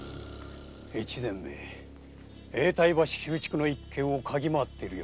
大岡め永代橋修築の一件をかぎ回っている様子だ。